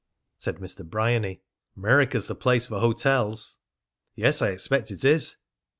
Said Mr. Bryany: "'Merica's the place for hotels." "Yes, I expect it is."